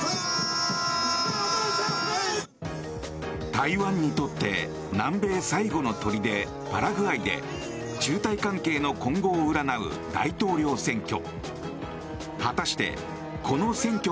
台湾にとって南米最後のとりで、パラグアイで中台関係の今後を占う大統領選挙。